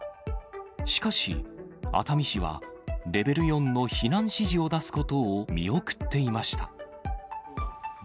しかし、熱海市はレベル４の避難指示を出すことを見送っていました。